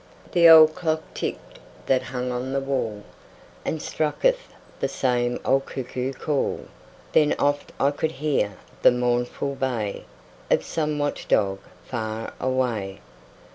The old clock ticked that hung on the wall And struck 'th the same old cuckoo call; Then oft I could hear the mournful bay Of some watch dog far away.